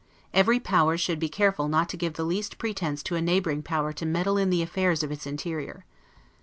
Every power should be very careful not to give the least pretense to a neighboring power to meddle with the affairs of its interior.